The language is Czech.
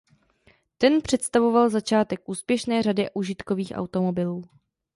Ten představoval začátek úspěšné řady užitkových automobilů.